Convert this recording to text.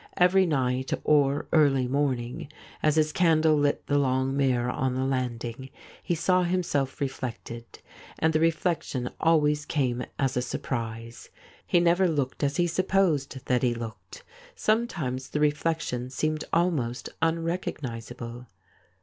Every nighty or early morning, as his candle lit the long mirror on the landing, he saw himself reflected, and the reflection always came as a surprise. He never looked as he supposed that he looked ; sometimes the reflec tion seemed almost unrecognis able.